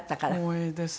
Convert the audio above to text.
光栄です。